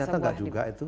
ternyata enggak juga itu